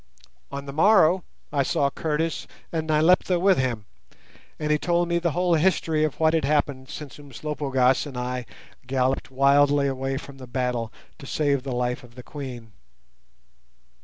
On the morrow I saw Curtis and Nyleptha with him, and he told me the whole history of what had happened since Umslopogaas and I galloped wildly away from the battle to save the life of the Queen.